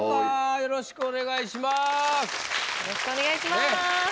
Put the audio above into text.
よろしくお願いします。